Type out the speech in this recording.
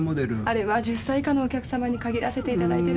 あれは１０歳以下のお客さまに限らせていただいてるんです。